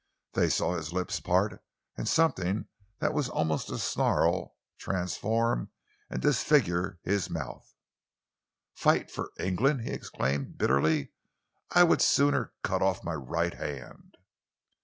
They saw his lips part and something that was almost a snarl transform and disfigure his mouth. "Fight for England?" he exclaimed bitterly. "I would sooner cut off my right hand!"